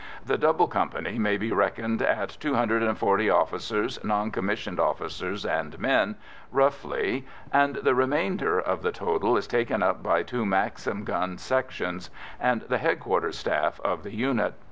The double company may be reckoned at 240 officers, non commissioned officers, and men, roughly, and the remainder of the total is taken up by two maxim gun sections and the headquarters staff of the unit.